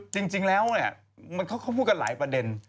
จริงแล้วเนี่ยเขาพูดกันหลายประเด็น